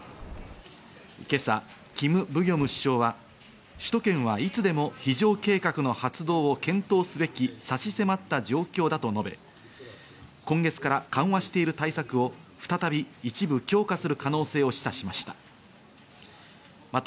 今朝、キム・ブギョム首相は首都圏はいつでも非常計画の発動を検討すべき差し迫った状況だと述べ、今月から緩和している対策を再び一部強化する可能性を示唆しました。